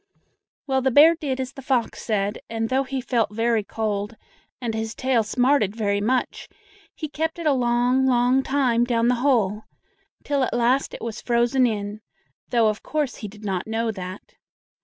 Well, the bear did as the fox said, and though he felt very cold, and his tail smarted very much, he kept it a long, long time down in the hole, till at last it was frozen in, though of course he did not know that.